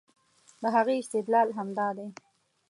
د هغې استدلال همدا دی